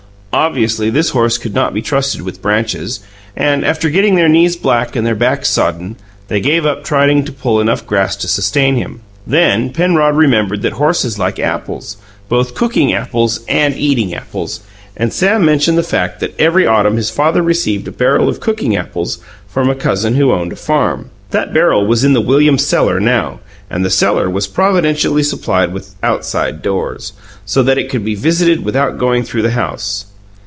Obviously, this horse could not be trusted with branches, and, after getting their knees black and their backs sodden, they gave up trying to pull enough grass to sustain him. Then Penrod remembered that horses like apples, both "cooking apples" and "eating apples", and Sam mentioned the fact that every autumn his father received a barrel of "cooking apples" from a cousin who owned a farm. That barrel was in the Williams' cellar now, and the cellar was providentially supplied with "outside doors," so that it could be visited without going through the house.